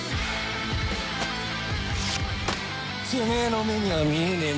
てめえの目には見えねえ